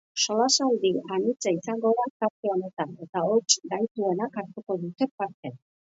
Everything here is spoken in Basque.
Solasaldi anitza izango da tarte honetan eta ahots gaituenak hartuko dute parte.